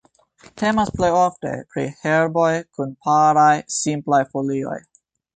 Temas plejofte pri herboj kun paraj, simplaj folioj.